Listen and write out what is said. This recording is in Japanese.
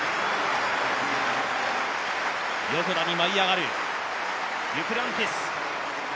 夜空に舞い上がるデュプランティス。